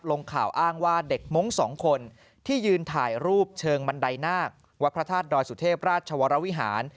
ลงข่าวอ้างว่าเด็กมงค์สองคนที่ยืนถ่ายรูปเชิงบันไดนาควัดพระธาตุดอยสุเทพราชวรวิหาร